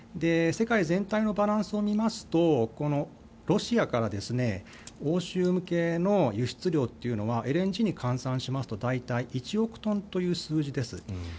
世界全体のバランスを見ますとこのロシアから欧州向けの輸出量というのはＬＮＧに換算しますと大体１億トンという数字です。